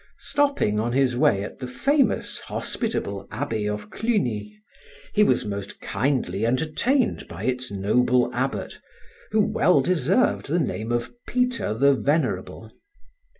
Stopping on his way at the famous, hospitable Abbey of Cluny, he was most kindly entertained by its noble abbot, who well deserved the name of Peter the Venerable.